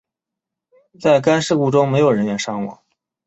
在该事故中没有人员伤亡。